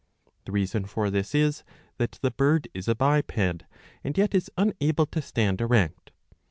^^ The reason for this is that the bird is a biped, and yet is unable to stand erect.